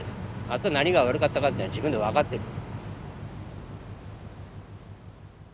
あと何が悪かったかっていうのは自分で分かってる。